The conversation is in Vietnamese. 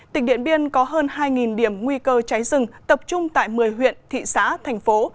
tỉnh điện biên có hơn hai điểm nguy cơ cháy rừng tập trung tại một mươi huyện thị xã thành phố